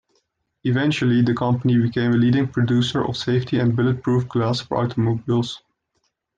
Eventually the company became a leading producer of safety and bullet-proof glass for automobiles.